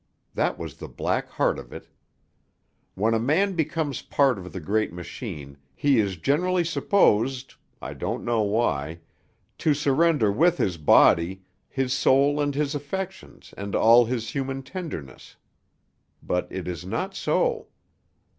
That was the black heart of it. When a man becomes part of the great machine, he is generally supposed I know not why to surrender with his body his soul and his affections and all his human tendernesses. But it is not so.